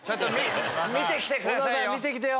見て来てくださいよ。